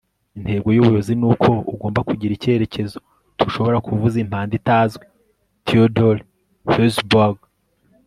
intego y'ubuyobozi ni uko ugomba kugira icyerekezo. ntushobora kuvuza impanda itazwi. - theodore hesburgh